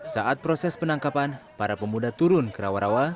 saat proses penangkapan para pemuda turun ke rawa rawa